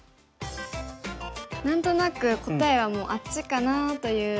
何となく答えはもうあっちかなという。